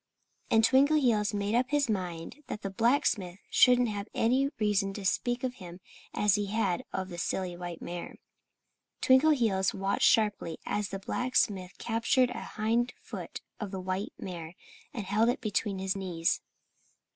And Twinkleheels made up his mind that the blacksmith shouldn't have any reason to speak of him as he had of the silly white mare. Twinkleheels watched sharply as the blacksmith captured a hind foot of the white mare's and held it between his knees.